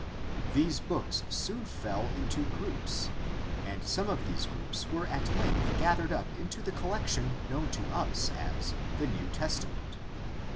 These books soon fell into groups, and some of these groups were at length gathered up into the collection known to us as the New Testament.